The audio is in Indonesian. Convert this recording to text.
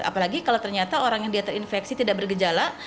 apalagi kalau ternyata orang yang dia terinfeksi tidak bergejala